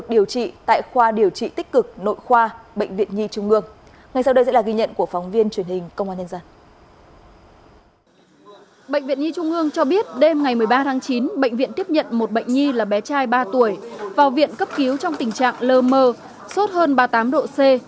bệnh viện nhi trung ương cho biết đêm ngày một mươi ba tháng chín bệnh viện tiếp nhận một bệnh nhi là bé trai ba tuổi vào viện cấp cứu trong tình trạng lơ mơ sốt hơn ba mươi tám độ c